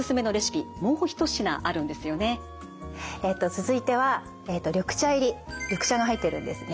続いては緑茶入り緑茶が入ってるんですね。